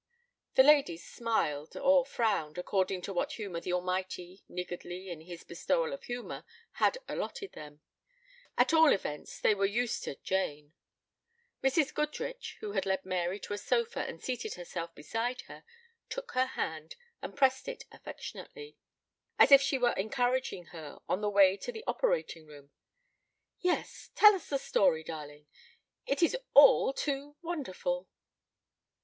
The ladies smiled or frowned, according to what humor the Almighty, niggardly in his bestowal of humor, had allotted them. At all events they were used to "Jane." Mrs. Goodrich, who had led Mary to a sofa and seated herself beside her, took her hand and pressed it affectionately, as if she were encouraging her on the way to the operating room. "Yes, tell us the story, darling. It is all too wonderful!"